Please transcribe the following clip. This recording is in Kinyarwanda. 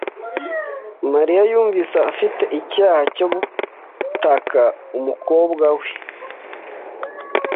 Mariya yumvise afite icyaha cyo gutaka umukobwa we.